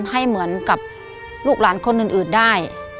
ให้เหมือนกับลูกหลานคนอื่นได้